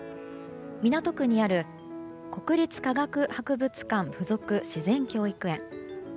港区にある国立科学博物館附属自然教育園。